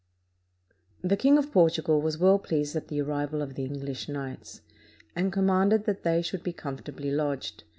] The King of Portugal was well pleased at the arrival of the English knights, and commanded that they should be comfortably lodged.